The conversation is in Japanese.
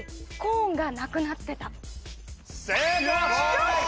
よし！